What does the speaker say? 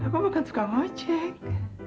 aku bukan suka ngocek